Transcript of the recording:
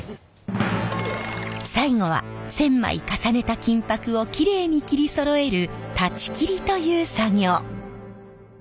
最後は１，０００枚重ねた金箔をきれいに切りそろえる裁ち切りという作業。